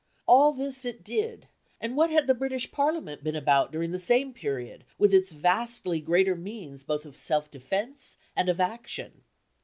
All this it did; and what had the British Parliament been about during the same period, with its vastly greater means both of self defence and of action?